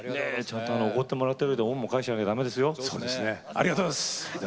ありがとうございます。